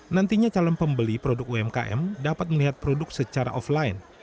nantinya calon pembeli produk umkm dapat melihat produk secara offline